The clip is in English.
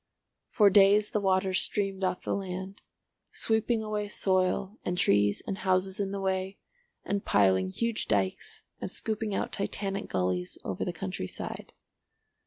For days the water streamed off the land, sweeping away soil and trees and houses in the way, and piling huge dykes and scooping out Titanic gullies over the country side.